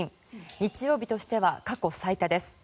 日曜日としては過去最多です。